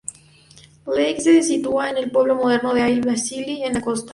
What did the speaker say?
Leake la sitúa en el pueblo moderno de Ai Vasili, en la costa.